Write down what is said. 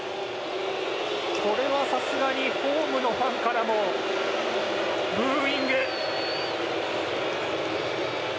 これはさすがにホームのファンからもブーイング。